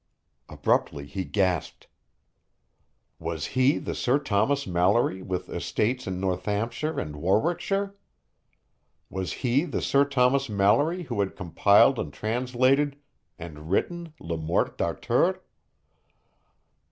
Abruptly he gasped. Was he the Sir Thomas Malory with estates in Northampshire and Warwickshire? Was he the Sir Thomas Malory who had compiled and translated and written Le Morte d'Arthur?